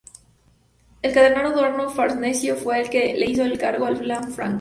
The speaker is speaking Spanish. El cardenal Odoardo Farnesio fue el que le hizo el encargo a Lanfranco.